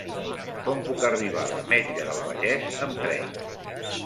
Com puc arribar a l'Ametlla del Vallès amb tren?